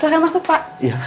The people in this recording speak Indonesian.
silahkan masuk pak